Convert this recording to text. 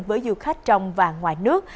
với du khách trong và ngoài nước